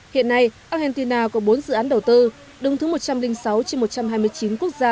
hiện nay argentina có bốn dự án đầu tư đứng thứ một trăm linh sáu trên một trăm hai mươi chín quốc gia